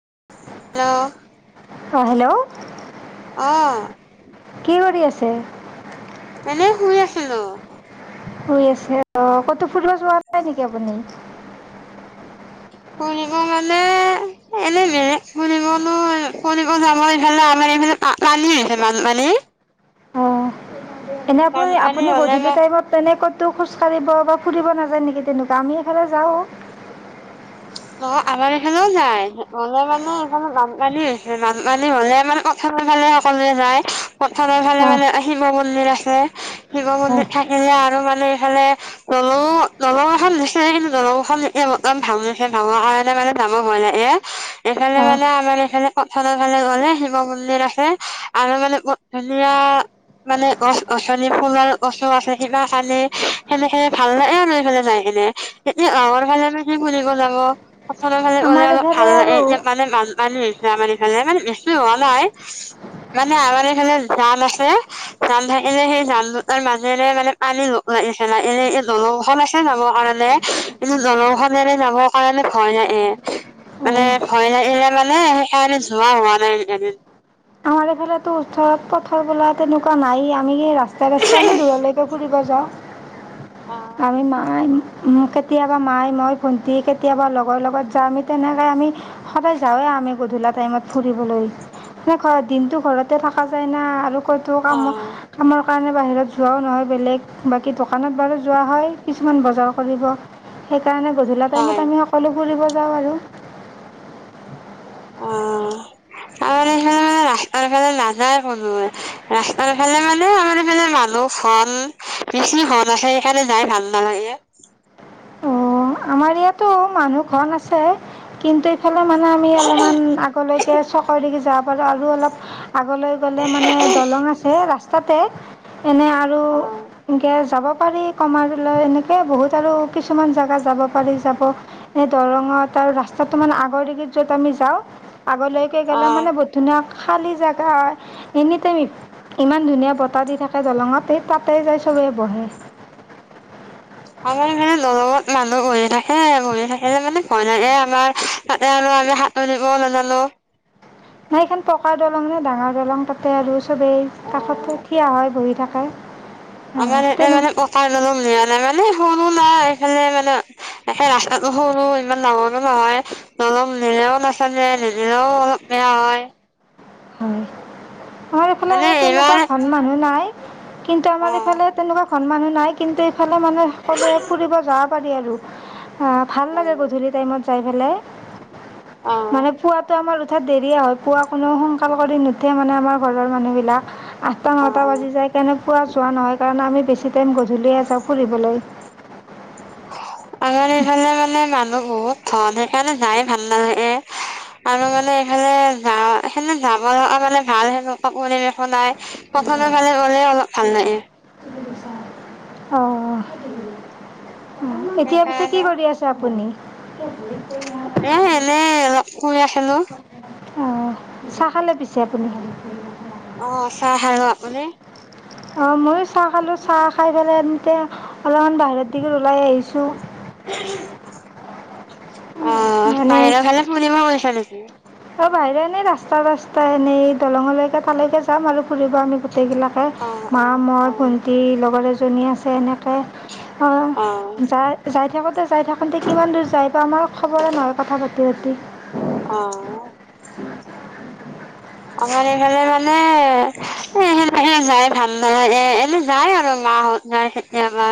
Hello. অ' hello. অ'। কি কৰি আছে এনে শুই আছিলো। শুই আছে অ'। ক'তো ফুৰিব যোৱা নাই নেকি আপুনি? [inaudible] কৰিব মানে এনেমে ফুৰিবনো কৰিব যাব, এইফালে আমাৰ পানী হৈছে, বানপানী অ', এনে বানপানী আপুনি-আপুনি হলে গধূলি মই টাইমত তেনে ক'ত টো খোজ কাঢ়িব বা ফুৰিব নাযায় নেকি তেনেকুৱা? আমি এইফালে যাও। নহয়, আমাৰ এইফালেও যায়। নহলে মানে এইখন বানপানী হৈছে। বানপানী হ'লে মানে পথাৰ ফালে সকলোৱে যায়। পথাৰৰ ফালে অঁ মানে শিৱ মন্দিৰ আছে। শিৱ হয় মন্দিৰ থাকিলে আৰু মা এইফালে দলং- দলং এখন দিছে। কিন্তু দলংখন এয়া [unintelligible] ভাঙ সে ভঙা কাৰণে মানে যাব ভয় লাগে। এইফালে অঁ মানে আমাৰ এইফালে পথাৰৰ ফালে গ'লে শিৱ ম [unintelligible] মানে গছ-গছনি, ফুলৰ গছোঁ আছে। কিবা চালে সেনেকে ভাল লাগে আৰু এফালে যাই মানে। এতিয়া গাঁৱৰ ফালে [unintelligible] ফালে গলে আক', পথাৰৰ ফালে গ'লে আমাৰ অলপ এইফালে ভাল মানে আৰু এতিয়া পানী বানপানী [unintelligible] ফালে মানে বেছি হোৱা নাই মানে আমাৰ এইফালে জান আছে। জান থাকিলে সেই জান দুটাৰ মাজেৰে মানে পানী এইফালে এনে এই দলংখন আছে যাবৰ কাৰণে কিন্তু, দলংখন এনে যাবৰ কাৰণে ভয় লাগে। মানে অঁ ভয় লাগে মানে সেয়াদি যোৱা হোৱা নাই এইকেইদিন। আমাৰ এইফালেটো ওচৰত পথাৰ বোলা তেনেকুৱা নাই আমি ৰাস্তাই- ৰাস্তাই আমি দূৰলৈকে ফুৰিব যাওঁ। অ আমি মানি কেতিয়াবা মাই, মই, ভণ্টি, কেতিয়াবা লগৰ লগত যাওঁ আমি। তেনেকে আমি সদায় যাওঁৱে আমি গধূলা টাইমত ফুৰিবলৈ। সে ঘৰত- দিনটো ঘৰতে থকা যায় না, আৰু ক'তো অ কাম- কা কাৰণে বাহিৰত যোৱাও নহয় বেলেগ বাকী দোকানত বাৰু যোৱা হয় কিছুমান বজাৰ কৰিব তাৰকাৰণে গধূলা হয় টাইমত আমি সকলো ফুৰিব যাওঁ আৰু। [unintelligible] আৰু হে ৰাস্তাৰ ফালে নাযায় কোনোৱে। ৰাস্তাৰ ফালে মানে আমাৰ এইফালে মানুহ ঘন বেছি ঘন আছে। সেইকাৰণে যাই ভাল নালাগে। উ [unintelligible] আমাৰ ইয়াতো মানুহ কম আছে কিন্তু, হ'লে মানে আমি অলপমান আগলৈকে চকৰ দিশে যাব পাৰোঁ। আৰু অলপ আগলৈ গ'লে মানে, দলং আছে ৰাস্তাতে। এনে আৰু অ এনকে যাব পাৰি কমাৰলৈ এনেকে বহুত আৰু কিছুমান জাগা যাব পাৰি যাব এ দৰঙত আৰু ৰাস্তাটো মানে আগৰ দিগিত য'ত আমি যাওঁ আগলৈকে অ গ'লে মানে বহুত ধুনীয়া খালী জেগা হয় এনিটাইম ইমান ধুনীয়া বতাহ দি থাকে দলঙতে তাতে যায় চবেই বহে। [unintelligible] আমাৰ মানে নৰৱত মানুহ বহি থাকে। বহি থাকিলে মানে ভয় লাগে আমাৰ। তাতে আৰু আমি সাঁতুৰিবও নাজানো নাই সেইখন পকা দলং নে ডাঙৰ দলং তাতে আৰু চবেই অ কাষতে থিয় হয় বহি থাকে। [unintelligible] আমাৰ এতে তেনে মানে পকাৰ দলং দিয়া নাই। মানে সৰু নাই এইফালে মানে তাকে ৰাস্তাটো সৰু ইমান ডাঙৰো নহয় অলপ [unintelligible] বেয়া হয়। হয়। আমাৰ মানে এইফালে এইবাৰ তেনেকুৱা ঘন মানুহ নাই। কিন্তু আমাৰ অ ইফালে তেনেকুৱা সন্মান হয় নাই। কিন্তু এইফালে মানে সকলোৱে ফুৰিব যাব পাৰি আৰু। অ' ভাল লাগে গধূলি টাইমত যাই ফেলে। অ মানে পুৱাটো আমাৰ উঠা দেৰিয়ে হয়। পুৱা কোনো সোন কাল কৰি নুঠে মানে আমাৰ ঘৰৰ মানুহ বিলাক আঠটা, অ নটা অ বাজি যায় কেনেকোৱা যোৱা নহয় কাৰণ আমি বেছি টাইম গধূলিয়ে যাওঁ ফুৰিবলৈ। আমাৰ এইফালে মানে মানুহ বহুত ধন সেইকাৰণে যায় ভাল নালাগে আৰু মানে এইফালে [unintelligible] লগ মানে ভাল সেনেকুৱা পৰিৱেশো নাই। [unintelligible] অ' এতিয়া পিছে কি সেইকাৰণে কৰি আছে আপুনি? [unintelligible] এ এনেই অলপ শুই আছিলোঁ। অ' চাহ খালে পিছে আপুনি? অ' চাহ খালোঁ, আপুনি? অ' ময়ো চাহ খালো। চাহ খাই পেলাই এতিয়া অলপমান বাহিৰত দিগ ওলাই আহিছো। অ' বাহিৰৰ ফালে ফুৰিব গৈছে নেকি? বাহিৰে এনেই ৰাস্তা ৰাস্তা এনেই, দলঙলৈকে তালৈকে যাম আৰু ফুৰিব আমি গ গোটেইগিলাকে। অ অ মা, মই, ভণ্টি, লগৰ এজনী আছে এনেকে অ যাই যাই থাকোঁতে যাই থাকোঁতে কিমান দূৰ যায় পাও, আমাৰ খবৰে নহয় কথা পাতি পাতি অ'। [inaudible] আমাৰ এইফালে মানে এ সেনেকে যাই ভাল নালাগে। এ এনে যায় আৰু মাহঁত যায় কেতিয়াবা।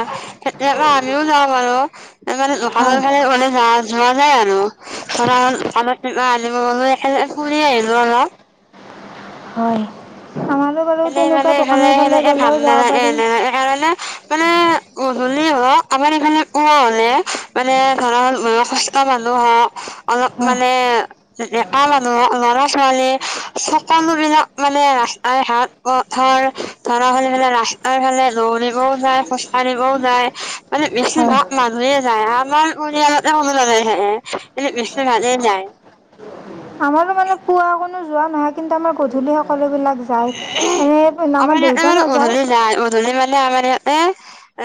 কেতিয়াবা আমিও যাওঁ বাৰু এই মানে হয় দোকানৰ ফালে মানে যা যোৱা যায় আৰু। ধৰা দোকানত কিবা আনিব গ'লে এনে ফুৰি আহিলো অলপ। হয়। আমাৰো বাৰু এনেই তেনেকুৱা মানে এইফালে, দোকানৰ ফালে সেনেকে ভাল গ'লেও যাব নালাগে। পাৰি এইকাৰণে মানে উ বুলি হ আমাৰ এইফালে কোৱা হ'লে, মানে ধৰা বয়সস্থ মানুহ হওক অলপ হয় মানে ডেকা মানুহক ল'ৰা-ছোৱালী সকলোবিলাক মানে ৰাস্তাই ঘাট পথৰ ধৰা ফালি ফে ৰাস্তাৰ ফালে দৌৰিবও যায়, খোজ কঢ়িবও যায়। অ' বেছি হয় ভাগ মানুহে আমাৰ পৰিয়ালতে [unintelligible] যায় আমাৰো মানে পুৱা কোনো যোৱা নহয়, কিন্তু আমাৰ গধূলি সকলোবিলাক যায় এনেই আমাৰ ইহঁতে দেউতা মানে নাযায় গধূলি যায়, গধূলি মানে আমাৰ ইহঁতে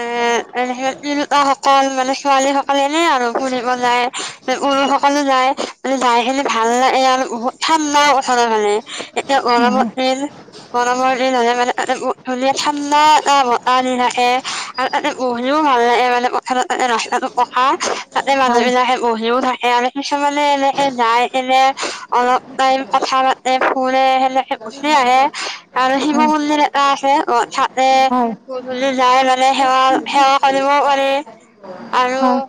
এ-এনে তিৰোতাসকল মানে ছোৱালীসকল এনে আৰু ফুৰি যায়। সকলো যায় মানে যাই কেনে ভাল লাগে। আৰু বহুত ঠাণ্ড না পথৰ মানে এতিয়া গৰমত। [unintelligible] গৰমৰ দিন হ'লে মানে ধুনীয়া ঠাণ্ডা এটা বতাহ দি থাকে। আৰু তাতে বহিও ভাল লাগে মানে পথাৰত ৰাস্তাটো পকা। তাতে হয় মানুহবিলাকে বহিও থাকে আৰু কিছুমানে এনেকে যায়, এনে অলপ টাইম কথা পাতে, ফুৰে। সেনেকে গুচি আহে, আৰু শিৱ হয় মন্দিৰ এটা আছে। অ তাতে হয় গধূলি যাই মানে সেৱা সেৱা কৰিবও পাৰি আৰু হয়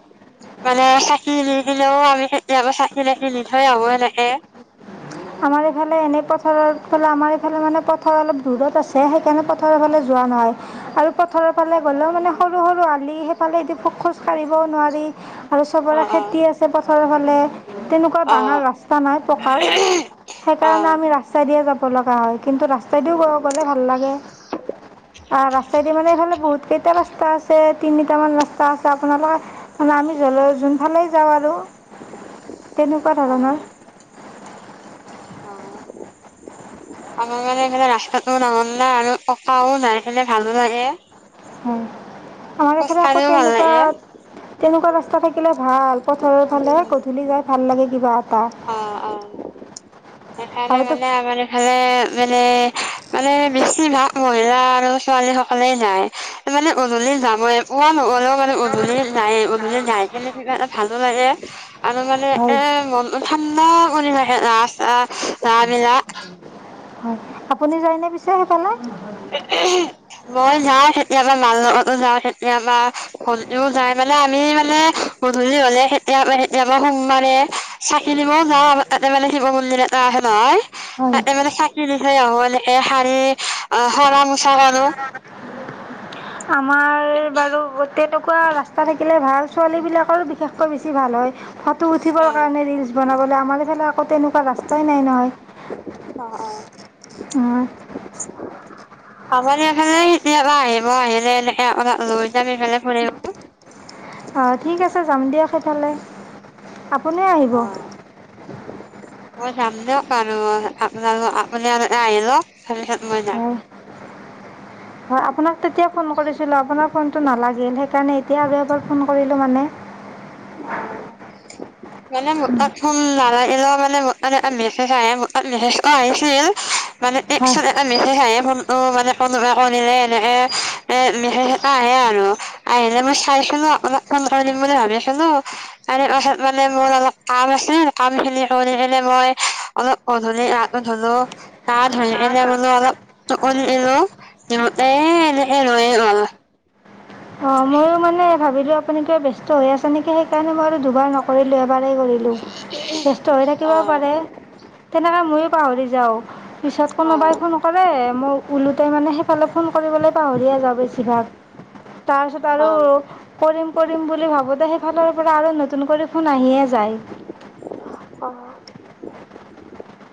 মানে চাকি নি দিলেও আমি কেতিয়াবা চাকি নাকি নি থৈ আহব সেনেকে আমাৰ এইফালে এনে পথাৰৰ ফালে আমাৰ মানে পথাৰ অলপ দূৰত আছে সেইকাৰণে পথাৰৰ ফালে যোৱা নহয় আৰু পথাৰৰ ফালে গ'লেও মানে সৰু সৰু আালি সেইফালে পোক খোজ কাঢ়িবও নোৱাৰি আৰু চবৰে অ' অ' খেতি আছে পথাৰৰ ফালে তেনেকুৱা ডাঙৰ অ' ৰাস্তা নাই পকাৰ সেইকাৰণে অ' আমি ৰাস্তাই দিয়ে যাব লগা হয় কিন্তু ৰাস্তাইদিও গ গ'লে ভাল লাগে আহ ৰাস্তাইদি মানে এইফালে বহুত কেইটা ৰাস্তা আছে তিনিটামান ৰাস্তা আছে আপোনালোকে আমি য্বল যোনফালেই যাওঁ আৰু তেনেকুৱা অ' ধৰণৰ অ' আমাৰ মানে এইফে ৰাস্তাতটোও নঙল নাই আৰু ককাও নাইফেে ভালো লাগে হয় আমাৰ এইফালে আকৌ খোজকাঢ়িও ভাল তেনেকুৱা লাগে তেনেকুৱা ৰাস্তা থাকিলে ভাল পথাৰৰ ফালে গধূলি যাই ভাল লাগে কিবা এটা অ' অ' সেইকাৰণে আৰু তো মানে আমাৰ ইফালে মানে মানে বেছিভাগ মহিলা আৰু ছোৱালী সকলে যায় মানে উধূলি যামই পোৱা ন। অলও মানে উধূলি যাই উধূলি যাই কেলে কিবা এটা ভালো লাগে আৰু মানে হয় এ মন ঠাণ্ডা কৰি থাকে ৰাস্ত ৰাস্তাৰ বিলাক হয় আপুনি যায়নে পিছে সেইফালে। মই যাও কেতিয়াবা মাল লগতো যাওঁ কেতিয়াবা ভন্টিও যাই মানে আমি মানে গধূলি হ'লে কেতিয়া এতিয় পৰাা সোমাৰে চাকি দিবও যাওঁ তাতে মানে শিৱ মন্দিৰ এ এটা আছে নহয় হয় তাতে মানে চাকি দি থৈ আহো মানে এ হাৰি অ সৰা মোচা কৰো আমাৰ বাৰু তেনেকুৱা ৰাস্তা থাকিলে ভাল ছোৱালীবিলাকৰো বিশেষকৈ বেছি ভাল হয় ফটো অ উঠিবৰ কাৰণে ৰিলচ বনাবলৈ আমাৰ এইফালে আকৌ তেনেকুৱা ৰাস্তাই নাই নহয় অ অ উম আমাৰ এইফালে কেতিয়াবা আহিব আহিলে এনেকে অলপ লৈ যাম সফালে ফুৰিব অঁ ঠিক আছে যাম দিয়ক সেইফালে আপুনিও আহিব মই যাম দিয়ক আৰু আপাল আপ আহিলও তাৰ পিছত মই যাম [unintelligible] হয় আপোনাক তেতিয়া ফোন কৰিছিলোঁ আপোনাৰ ফোনটো নালাগিল সেইকাৰণে এতিয়া আৰু এবাৰ ফোন কৰিলোঁ মানে হয় অ মানে মোৰ তাত ফোন নালাগিলে মানে মোৰ মানে মেছেজ আহে ম ত মেছেজ আহিছিল মানে এ একশ হয় টকা মেছে আহে ক মানে কোনোবাই কিলে এনেকে এ আহে আৰু আহিলে মই চাই নো আমাক কোন কীম বুলি ভাবি আছনো তাৰে পাছত মানে মোৰ অলপ কাম আছিল কাম খিনি কৰিনে মই অলপ গধূলি। ধলো তাত ধৰি এনে বোলো অলপ চকু দিলো। সিহতে এনে লয়েগ। মই মানে ভাবিলো আপুনি কিয়া ব্যস্ত হৈ আছে নেকি সেইকাৰণে মই দুবাৰ নকৰিলো এবাৰেই কৰিলোঁ ব্যস্ত হৈ অ থাকিবও পাৰে তেনেকৈ ময়ো পাহৰি যাওঁ পিছত অ কোনোবাই ফোনক মোক ওলোতে মানে সেইফালে ফোন কৰিবলৈ পাহৰি আ যাওঁ বেছিভাগ তাক অ আৰু কৰিম। কৰিম বুলি ভাবোঁতে সেইফালৰ পৰা আৰু নতুন কৰি ফোন আহে যায় অ।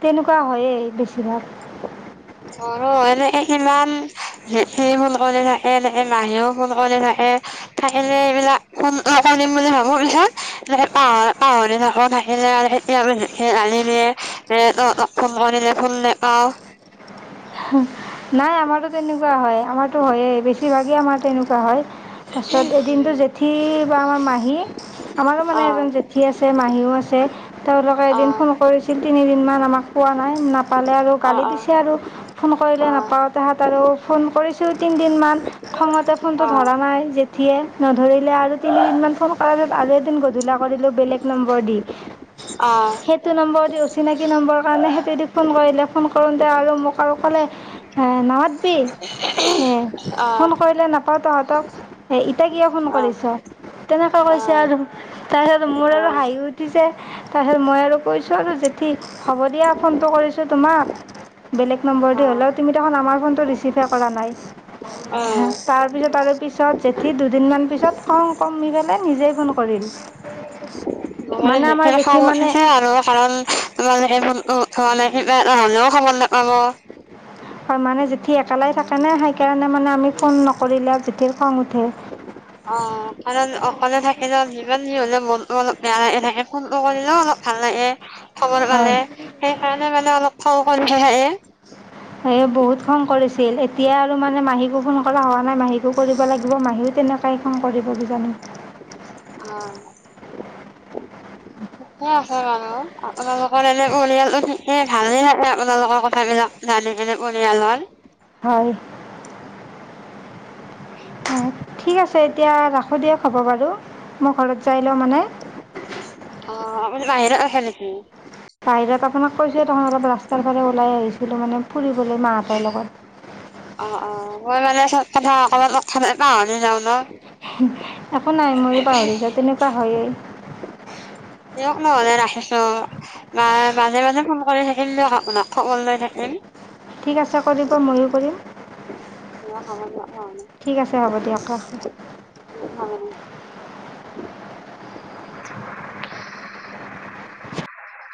তেনেকুৱা হয়য়ে বেছিভাগ [unintelligible] ধৰ এনেকে ইমান স ফোন কৰি থাকে এনেকে মাহেও ফোন কৰি থাকে থাকিলে এইবিলাক [unintelligible] বুলি ভাবো [unintelligible] পছত পাহ পাহৰি থকা থা আহে আৰু তিয়াম [unintelligible] অ নাই আমাৰতো তেনেকুৱা হয়, আমাৰতো হয়েই বেছিভাগেই আমাৰ তেনেকুৱা হয়। তাৰপিছত এদিনটো জেঠী বা আমাৰ মাহী আমাৰো মানে এজন জেঠী আছে। মাহীও আছে তেওঁলোকে এদিন ফোন কৰিছিল। তিনিদিনমান আমাক পোৱা নাই। নাপালে আৰু গালি দিছে আৰু। ফোন কৰিলে নাপ পাওঁতে হাত আৰু ফোন কৰিছো তিনদিন মান। খঙতে ফোনতটো ধৰা নাই। উঠিয়ে নধৰিলে আৰু তিনিদিনমান ফোন কৰাত আৰু এদিন গধূলা কৰিলোঁ বেলেগ নম্বৰ দি। সেইটো নম্বৰ দি অচিনাকি নম্বৰৰ কাৰণে সেই যদি ফোন কৰিলে, ফোন কৰোঁতে আৰু মোক আৰু ক'লে নহাববি অ', ফোন কৰিলে নাপাওঁ তহঁতক। কিয় ফোন অ', কৰিছ তেনেকৈ কৈছে অ', আৰু তাৰপিছত মোৰ আৰু অ', হাঁহিও উঠিছে। তাৰপিছত মই আৰু কৈছো আৰু জেঠী হ'ব দিয়া ফোনটো কৰিছো তোমাক। বেলেগ নম্বৰ দি অ'। হলেও। তুমি দেখোন আমাৰ ফোনটো ৰিচিভে কৰা নাই অ', তাৰপিছত আৰু পিছত জেঠী দুদিনমান পিছত খং কমি পেলাই নিজেই ফোন কৰিল। মানে আমাৰ জেঠি [unintelligible] মানে উঠিছে আৰু কাৰণ ত কিয় ফোনটো উঠোৱা নাই [unintelligible] নহ'লেও খবৰ নাপাব হয় মানে জেঠী একেলাই থাকে না। সেইকাৰণে মানে আমি ফোন নকৰিলে জেঠীৰ খং উঠে। অ কাৰণ অকলে থাকিলেও যিমান যি হলে মনটো অলপ বেয়া লাগি থাকে। ফোনটো কৰিলেও অলপ ভাল লাগে। খবৰ হয় মানে সেইকাৰণে মানে অলপ [unintelligible] সেই বহুত খং কৰিছিল এতিয়া আৰু মানে মাহীকো ফোন কৰা হ নাই মাহীকো কৰিব লাগিব। মাহীও তেনেকুৱা এখন কৰিবই কিজানি। অ। [inaudible] ঠিকে আছে বাৰু। আপোনালোকৰ এনে পৰিয়ালটো ভালে থাকে। আপোনালোকৰ কথাবিলাক [unintelligible] হয়। অ ঠিক আছে। এতিয়া ৰাখো দিয়ক। হ'ব বাৰু মই ঘৰ অ মানে বাহিৰত খেলিছিল। বাহিৰত আপোনাক কৈছে ত অলপ ৰাস্তাৰ ফালে ওলাই আহিছিলো মানে। ফুৰিবলৈ মাহঁতৰ লগত অ, অ মই মানে আছ [unintelligible] একো নাই, ময়ো পাহৰি যাওঁ। তেনেকুৱা হয়েই। নহলে ৰাখিছো। মই মাজে মাজে ফোন কৰি থাকিম দিয়ক আপোনাক, খবৰ লৈ থাকিম। ঠিক আছে কৰিব। ময়ো কৰিম। অ। ঠিক আছে, হ'ব দিয়ক অ। অ।